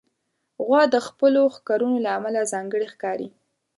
غوا د خپلو ښکرونو له امله ځانګړې ښکاري.